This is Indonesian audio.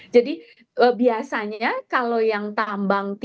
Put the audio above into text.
jadi biasanya kalau yang tambang tersebut